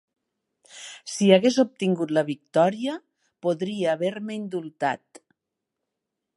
Si hagués obtingut la victòria, podria haver-me indultat.